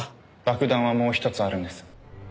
爆弾はもう一つあるんです。